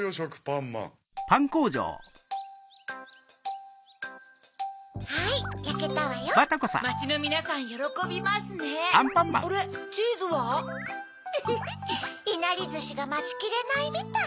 ウフフいなりずしがまちきれないみたい。